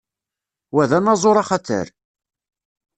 Wa d anaẓur axatar.